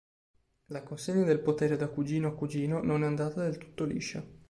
La consegna del potere da cugino a cugino non è andata del tutto liscia.